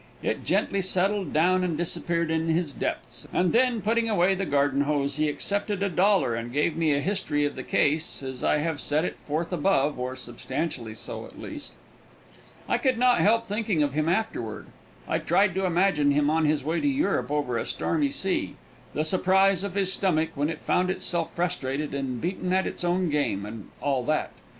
It gently settled down and disappeared in his depths, and then, putting away the garden hose, he accepted a dollar and gave me a history of the case as I have set it forth above, or substantially so, at least. I could not help thinking of him afterward. I tried to imagine him on his way to Europe over a stormy sea; the surprise of his stomach when it found itself frustrated and beaten at its own game, and all that.